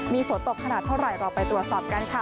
มีฝนตกขนาดเท่าไหร่เราไปตรวจสอบกันค่ะ